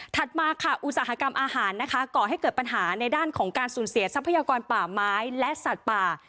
มาค่ะอุตสาหกรรมอาหารนะคะก่อให้เกิดปัญหาในด้านของการสูญเสียทรัพยากรป่าไม้และสัตว์ป่า